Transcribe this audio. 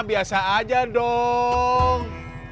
biasa aja dong